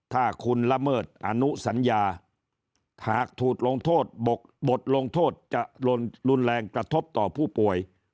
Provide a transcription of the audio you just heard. ถ้าคุณละเมิดอนุสัญญาหากถูกลงโทษบทลงโทษจะรุนแรงกระทบต่อผู้ป่วย